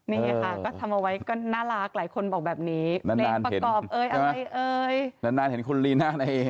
นี่ค่ะก็ทำเอาไว้ก็น่ารักหลายคนบอกแบบนี้เพลงประกอบเอ่ยอะไรเอ่ยนานเห็นคุณลีน่าใน